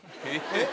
えっ！